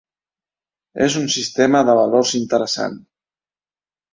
És un sistema de valors interessant.